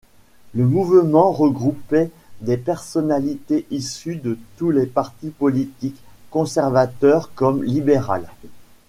Le mouvement regroupait des personnalités issues de tous les partis politiques, conservateur comme libéral.